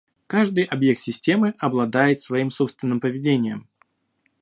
Каждый объект системы обладает своим собственным поведением